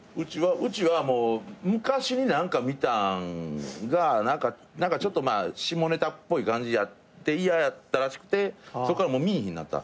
うちはもう昔に何か見たんが何かちょっとまあ下ネタっぽい感じやって嫌やったらしくてそっからもう見いひんなった。